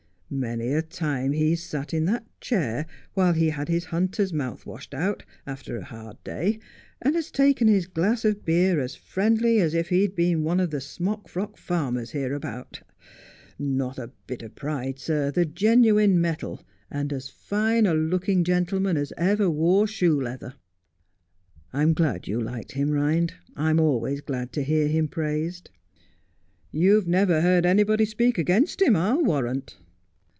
Many a time has he sat in that chair, while he had his hunter's mouth washed out, after a hard day, and has taken his glass of beer as friendly as if he'd been one of the smock frock farmers here abouts. Not a bit of pride, sir — the genuine metal — and as fine a looking gentleman as ever wore shoe leather.' ' I'm glad you liked him, Rhind ; I'm always glad to hear him praised.' ' You've never heard anybody speak against him, I'll warrant.'